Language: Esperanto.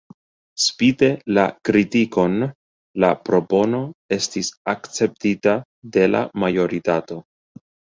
Spite la kritikon, la propono estis akceptita de la majoritato.